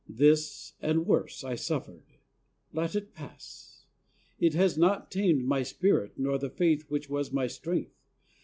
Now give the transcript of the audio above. This, and worse, I suffered let it pass it has not tamed My spirit nor the faith which was my strength.